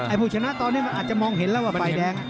ไอผู้ชำน่ะตอนนี้มันอาจจะมองเห็นล่ะว่าไปแดง